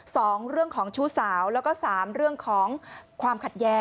สองเรื่องของชู้สาวแล้วก็สามเรื่องของความขัดแย้